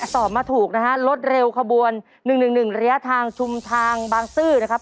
ตอบมาถูกนะฮะรถเร็วขบวน๑๑๑ระยะทางชุมทางบางซื่อนะครับ